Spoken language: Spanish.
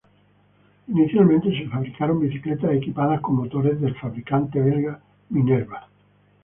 Inicialmente, se fabricaron bicicletas equipadas con motores del fabricante belga Minerva.